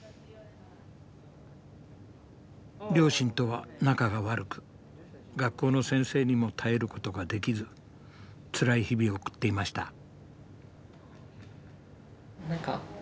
両親とは仲が悪く学校の先生にも頼ることもできずつらい日々を送っていました。